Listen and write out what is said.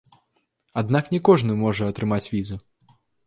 Аднак не кожны можа атрымаць візу.